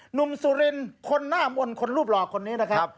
หนุ่มสุรินคนน่ามอ่อนคนรูปหล่อคนนี้นะครับ